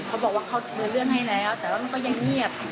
เขาบอกว่าเขาเดินเลื่อนให้แล้วแต่ว่ามันก็ยังเงียบ